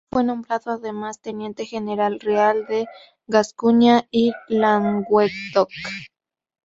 Fue nombrado además teniente general real en Gascuña y Languedoc.